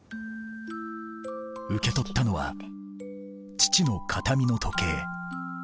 受け取ったのは父の形見の時計